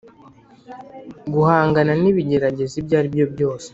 guhangana n’ibigeragezo ibyo ari byo byose